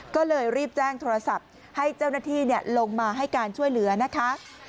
ก็เลยรีบแจ้งโทรศัพท์ให้เจ้าหน้าที่ลงมาให้การช่วยเหลือนะคะ